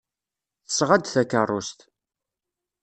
Tesɣa-d takeṛṛust.